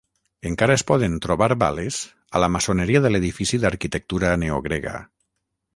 Encara es poden trobar bales a la maçoneria de l'edifici d'arquitectura neogrega.